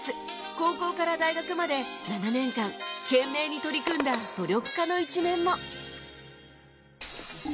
高校から大学まで７年間懸命に取り組んだ努力家の一面も